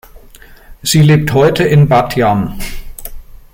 Sie lebt heute in Bat Jam.